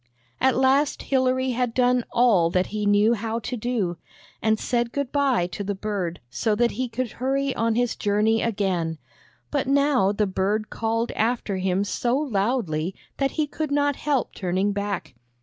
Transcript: At last Hilary had done all that he knew how to do, and said good by to the bird, so that he could hurry on his journey again; but now the bird called after him so loudly that he could not help turning back.